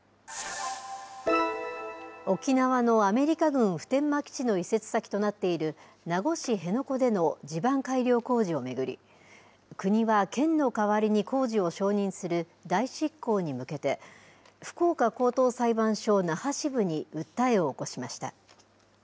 沖縄のアメリカ軍普天間基地の移設先となっている名護市辺野古での地盤改良工事を巡り国は県の代わりに工事を承認する代執行に向けて福岡高等裁判所那覇支部に訴えを起こしました。